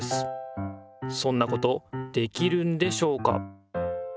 そんなことできるんでしょうか？